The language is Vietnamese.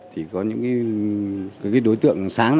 thì có những đối tượng sáng